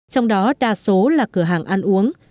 trong đó đa số là cửa hàng ăn uống